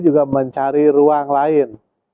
juga mencari ruang lain